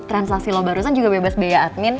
transaksi loh barusan juga bebas biaya admin